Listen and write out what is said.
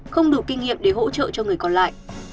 không đủ kinh nghiệm để hỗ trợ cho người còn lại